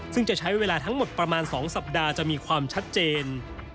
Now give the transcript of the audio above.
ซึ่งจะใช้เวลาทั้งหมดประมาณ๒สัปดาห์จะมีความชัดเจน